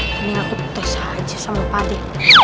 ini gak utuh saja sama pade